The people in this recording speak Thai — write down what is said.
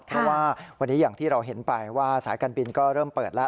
เพราะว่าวันนี้อย่างที่เราเห็นไปว่าสายการบินก็เริ่มเปิดแล้ว